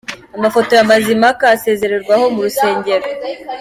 Amafoto ya Mazimhaka asezerwaho mu rusengero.